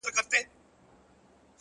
لکه ماسوم بې موره ـ